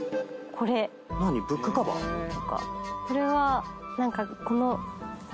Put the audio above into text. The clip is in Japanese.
これは何かこの。